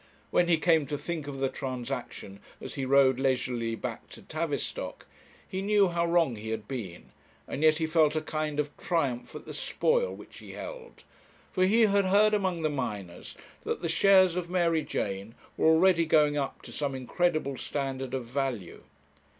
When he came to think of the transaction as he rode leisurely back to Tavistock, he knew how wrong he had been, and yet he felt a kind of triumph at the spoil which he held; for he had heard among the miners that the shares of Mary Jane were already going up to some incredible standard of value.